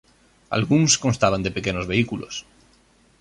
Algúns constaban de pequenos vehículos.